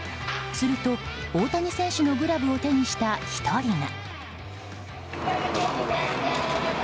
すると大谷選手のグラブを手にした１人が。